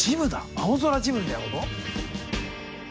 青空ジムみたいなこと？